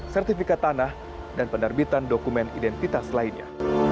sertifikat tanah dan penerbitan dokumen identitas lainnya